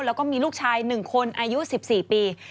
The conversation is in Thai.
แล้วก็มีลูกชาย๑คนอายุ๑๔ปี